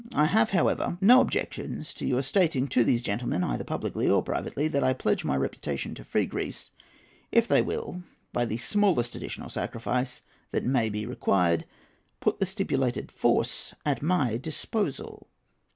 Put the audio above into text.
I have, however, no objections to your stating to these gentlemen, either publicly or privately, that I pledge my reputation to free Greece if they will, by the smallest additional sacrifice that may be required, put the stipulated force at my disposal."